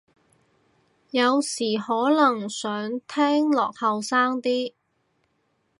有時可能想聽落後生啲